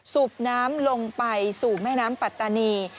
สูบน้ำลงไปสู่แม่น้ำปัตตานี